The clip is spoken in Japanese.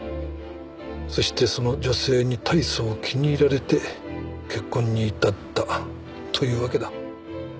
そしてその女性に大層気に入られて結婚に至ったというわけだ。